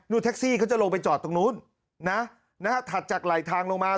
นี่แท็กซี่เขาจะลงไปจอดตรงนู้นถัดจากหลายทางลงมา